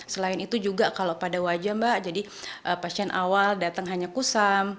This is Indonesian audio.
selain itu juga kalau pada wajah mbak jadi pasien awal datang hanya kusam